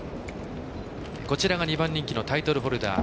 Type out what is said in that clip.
２番人気のタイトルホルダー。